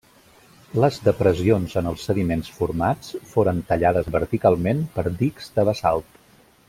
Les depressions en els sediments formats foren tallades verticalment per dics de basalt.